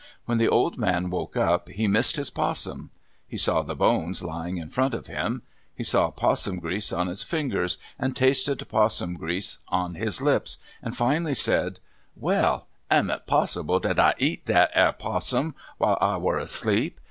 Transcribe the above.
When the old man woke up he missed his 'possum. He saw the bones lying in front of him. He saw 'possum grease on his fingers, and tasted 'possum grease on his lips, and finally said: "Well; am it possible dat I eat dat 'ar 'possum while I war asleep?